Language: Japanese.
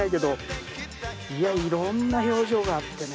いやいろんな表情があってね